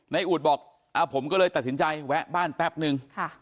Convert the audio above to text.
อูดบอกผมก็เลยตัดสินใจแวะบ้านแป๊บนึง